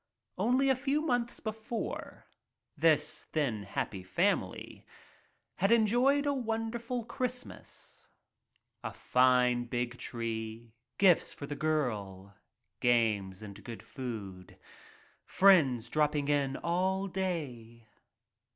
Only a few months before, this, then happy fam ily, had enjoyed a wonderful Christmas — a fine big tree, gifts for the girl, games and good food, friends dropping in all day.